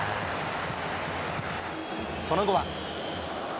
その後は。